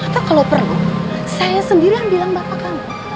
atau kalau perlu saya sendiri yang bilang bapak kamu